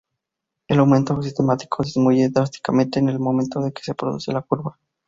El aumento sistemático disminuye drásticamente en el momento de que se produce la curva.